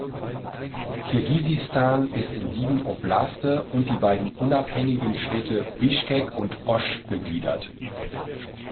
Kirgisistan ist in sieben Oblaste und die beiden unabhängigen Städte Bischkek und Osch gegliedert.